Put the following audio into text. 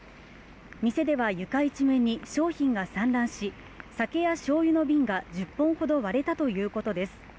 店では床一面に商品が散乱し酒やしょうゆの瓶が１０本ほど割れたということです。